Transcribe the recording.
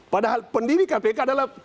padahal pendiri kpk adalah